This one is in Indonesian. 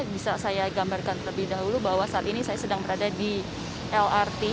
bisa saya gambarkan terlebih dahulu bahwa saat ini saya sedang berada di lrt